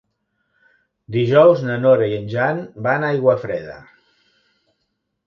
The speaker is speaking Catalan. Dijous na Nora i en Jan van a Aiguafreda.